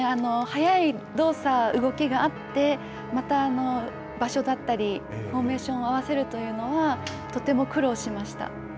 速い動作、動きがあって、また場所だったり、フォーメーションを合わせるというのは、とても苦労しました。